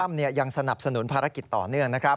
นอกถ้ำเนี่ยยังสนับสนุนภารกิจต่อเนื่องนะครับ